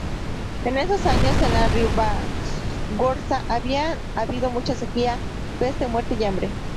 En esos años en la Ribagorza había habido mucha sequía, peste, muerte y hambre.